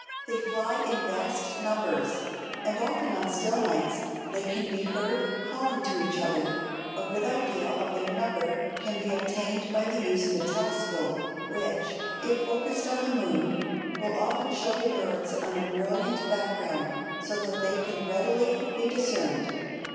They fly in vast numbers, and often on still nights they can be heard calling to each other. A good idea of their number can be obtained by the use of a telescope, which, if focused on the moon, will often show the birds on a brilliant background so that they can readily be discerned.